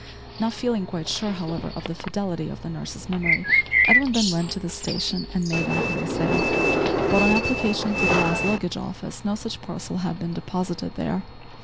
Not feeling quite sure however of the fidelity of the nurse's memory, Edwin then went to the station and made inquiries there, but on application to the lost luggage office no such parcel had been deposited there.